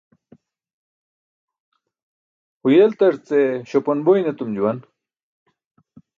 Huyeltarce śopanboyn etum juwan.